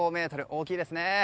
大きいですね。